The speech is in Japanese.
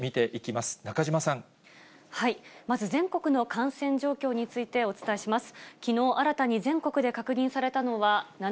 まず全国の感染状況についてお伝えします。